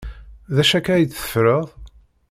D acu akka ay teffreḍ?